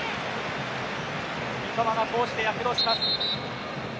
三笘がこうして躍動します。